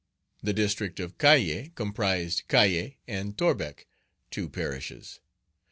The District of Cayes comprised Cayes and Torbeck, two parishes.